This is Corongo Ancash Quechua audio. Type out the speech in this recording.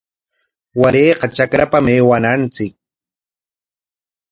Warayqa trakrapam aywananchik.